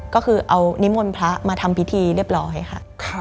ก็คือเอานิมนต์พระมาทำพิธีเรียบร้อยค่ะ